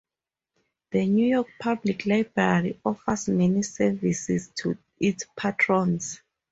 The New York Public Library offers many services to its patrons.